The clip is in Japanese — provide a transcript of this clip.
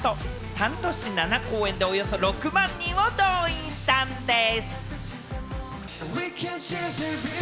３都市７公演でおよそ６万人を動員したんでぃす。